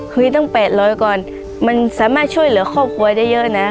คุยตั้ง๘๐๐ก่อนมันสามารถช่วยเหลือครอบครัวได้เยอะนะ